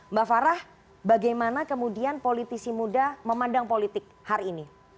mbak farah bagaimana kemudian politisi muda memandang politik hari ini